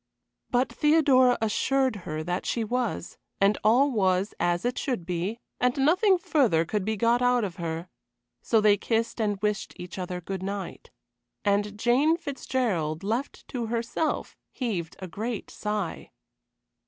But Theodora assured her that she was, and all was as it should be, and nothing further could be got out of her; so they kissed and wished each other good night. And Jane Fitzgerald, left to herself, heaved a great sigh.